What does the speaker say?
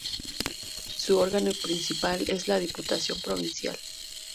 Su órgano principal es la Diputación Provincial.